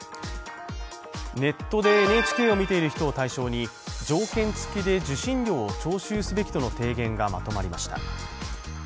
ネットでＮＨＫを見ている人を対象に条件付きで受信料を徴収すべきとの提言がまとまりました。